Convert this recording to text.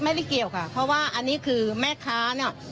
ไม่ได้เกี่ยวค่ะเพราะว่าอันนี้คือแม่ค้าเนี่ย